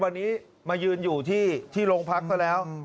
วันนี้มายืนอยู่ที่โรงพักซะแล้ว